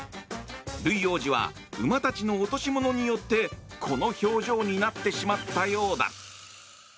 ルイ王子は馬たちの落とし物によってこの表情になってしまったようだ。